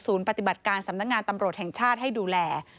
ปฏิบัติการสำนักงานตำรวจแห่งชาติให้ดูแล